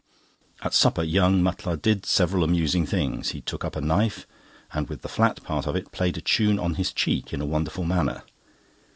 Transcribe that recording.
At supper, young Mutlar did several amusing things. He took up a knife, and with the flat part of it played a tune on his cheek in a wonderful manner.